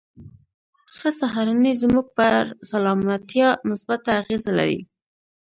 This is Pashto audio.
ښه سهارنۍ زموږ پر سلامتيا مثبته اغېزه لري.